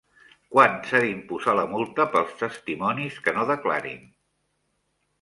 Quan s'ha d'imposar la multa pels testimonis que no declarin?